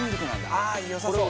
ああ良さそう！